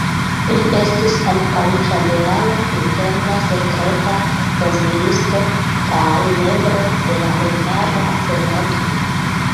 Li estis ankaŭ ĉambelano, interna sekreta konsilisto kaj membro de la hungara senato.